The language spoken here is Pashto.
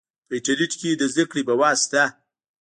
په انټرنیټ کې د زده کړې مواد شته.